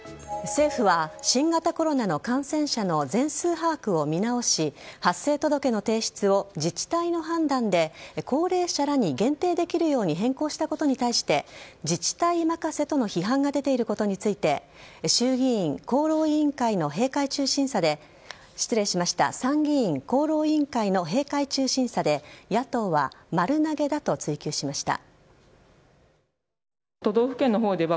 政府は新型コロナの感染者の全数把握を見直し発生届の提出を自治体の判断で高齢者らに限定できるように変更したことに対して自治体任せとの批判が出ていることについて参議院・厚労委員会の閉会中審査で野党は丸投げだと追及しました。